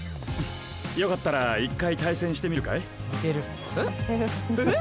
よかったら一回、対戦してみるかい？え？え！？